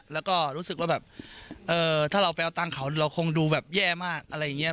แล้วก็รู้สึกว่าแบบถ้าเราไปเอาตังค์เขาเราคงดูแบบแย่มากอะไรอย่างนี้